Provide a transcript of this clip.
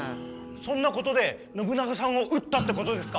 そんなことで信長さんを討ったってことですか？